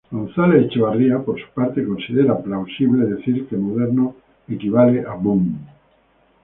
González Echevarría, por su parte, considera “plausible" decir que moderno equivale a Boom.